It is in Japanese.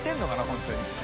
本当に」